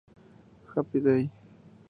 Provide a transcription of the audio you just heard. Happy Day".